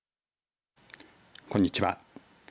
こんにちは。